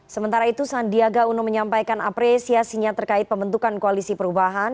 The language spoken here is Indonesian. sementara itu sandiaga uno menyampaikan apresiasinya terkait pembentukan koalisi perubahan